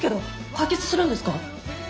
解決するんですか？